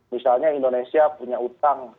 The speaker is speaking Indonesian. misalnya indonesia punya utang